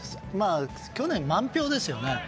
去年、満票ですよね。